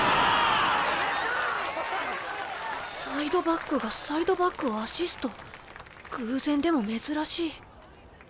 サイドバックがサイドバックをアシスト偶然でも珍しい。